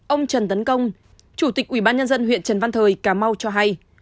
ông trần tấn công chủ tịch ubnd huyện trần văn thời cà mau cho hay